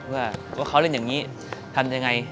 ว่าเขาเล่นอย่างนี้ทำยังไง